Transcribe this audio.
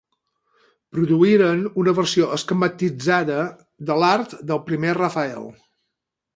Produïren una versió esquematitzada de l'art del primer Rafael.